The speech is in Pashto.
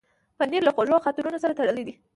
پنېر له خوږو خاطرونو سره تړلی دی.